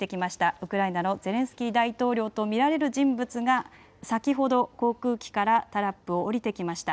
ウクライナのゼレンスキー大統領と見られる人物が航空機から黒い１台の車に乗り込みました。